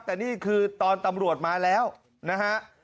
แต่นี่คือตอนตำรวจมาแล้วนะฮะ